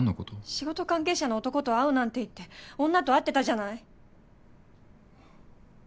仕事関係者の男と会うなんて言って女と会ってたじゃない。